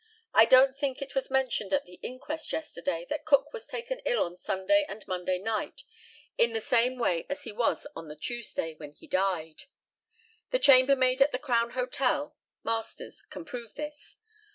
I don't think it was mentioned at the inquest yesterday that Cook was taken ill on Sunday and Monday night, in the same way as he was on the Tuesday, when he died. The chambermaid at the Crown Hotel (Masters's) can prove this.